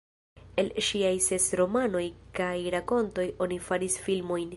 El ŝiaj ses romanoj kaj rakontoj oni faris filmojn.